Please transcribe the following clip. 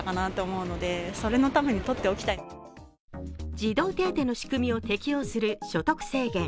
児童手当の仕組みを適用する所得制限。